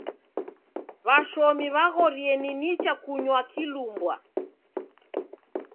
W'ashomi w'aghorie ni nicha kunywa kilumbwa.